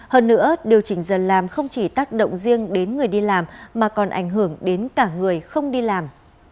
hơn nữa điều chỉnh giờ làm không chỉ tác động riêng đến người đi làm mà còn ảnh hưởng đến cả người không đi làm